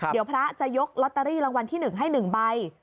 เดี๋ยวพระจะยกลอตเตอรี่รางวัลที่๑ให้๑ใบ